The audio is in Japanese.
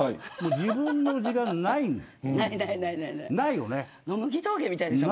自分の時間がないんです。